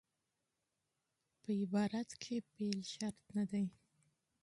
په عبارت کښي فعل شرط نه دئ.